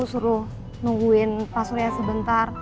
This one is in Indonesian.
suruh nungguin pak surya sebentar